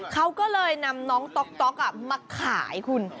เขาก็เลยนำน้องต๊อกมาขายคุณ